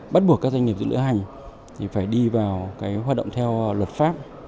bắt buộc các doanh nghiệp lựa hành thì phải đi vào cái hoạt động theo luật pháp